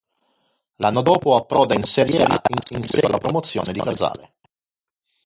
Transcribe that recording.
L'anno dopo approda in Serie A in seguito alla promozione di Casale.